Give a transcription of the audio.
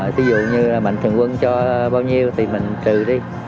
thí dụ như là mạnh thường quân cho bao nhiêu thì mình trừ đi